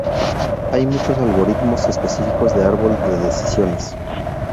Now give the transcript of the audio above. Hay muchos algoritmos específicos de árbol de decisiones.